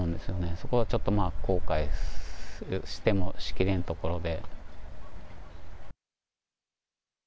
そこはちょっと後悔してもしきれんところで。